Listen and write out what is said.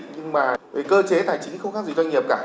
nhưng mà về cơ chế tài chính không khác gì doanh nghiệp cả